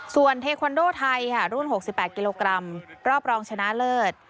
ส่วนเทควันโดไทยรุ่นหกสิบแปดกิโลกรัมรอบรองชนะเลิศ